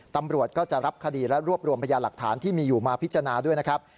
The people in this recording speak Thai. ตำรวจก็จะรับคดีและรวบรวมพยานหลักฐานที่มีอยู่มาพิจารณาด้วยนะครับ